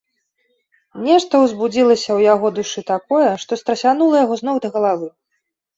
Нешта ўзбудзілася ў яго душы такое, што страсянула яго з ног да галавы.